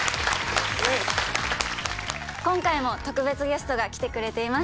今回も特別ゲストが来てくれています。